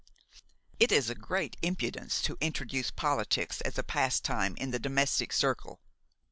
It is a great imprudence to introduce politics as a pastime in the domestic circle.